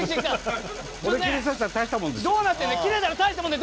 どうなってるの？